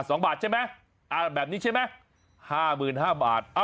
สองบาทใช่ไหมอ่าแบบนี้ใช่ไหมห้าหมื่นห้าบาท